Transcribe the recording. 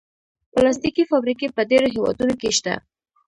پلاستيکي فابریکې په ډېرو هېوادونو کې شته.